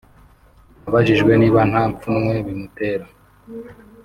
Abajijwe niba nta pfunwe bimutera